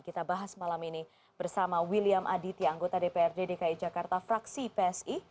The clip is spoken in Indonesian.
kita bahas malam ini bersama william aditya anggota dprd dki jakarta fraksi psi